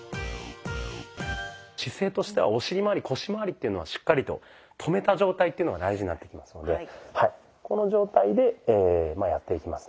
姿勢としてはお尻まわり腰まわりというのをしっかりと止めた状態っていうのが大事になってきますのでこの状態でやっていきますね。